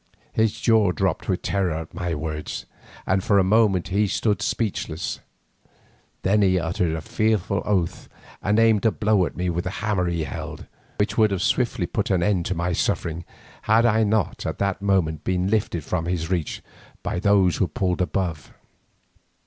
His jaw dropped with terror at my words, and for a moment he stood speechless. Then he uttered a fearful oath and aimed a blow at me with the hammer he held, which would swiftly have put an end to my sufferings had I not at that moment been lifted from his reach by those who pulled above.